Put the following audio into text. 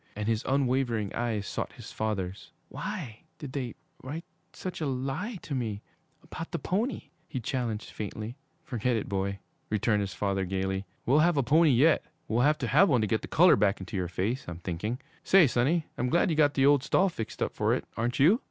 And his unwavering eyes sought his father's. 'Why did they write such a lie to me about the pony?' he challenged faintly. 'Forget it, boy!' returned his father gayly. 'We'll have a pony yet! We'll have to have one to get the color back into your face, I'm thinking! Say, sonny, I'm glad you got the old stall fixed up for it, aren't you?'